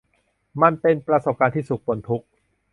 มันเป็นประสบการณ์ที่สุขปนทุกข์